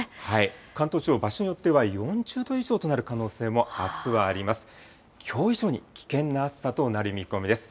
関東地方、場所によっては４０度以上となる可能性も、あすはあります。